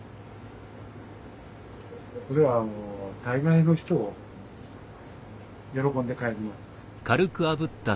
これはもう大概の人喜んで帰ります。